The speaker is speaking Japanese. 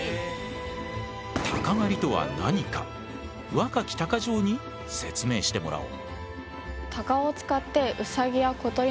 鷹狩りとは何か若き鷹匠に説明してもらおう。